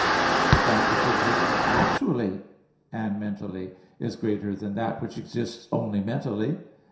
But that which exists actually and mentally is greater than that which exists only mentally.